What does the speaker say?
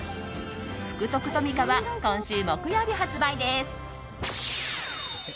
福徳トミカは今週木曜日発売です！